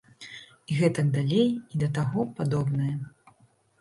І гэтак далей, і да таго падобнае.